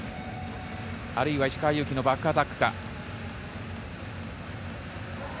あるいは石川祐希のバックアタックか。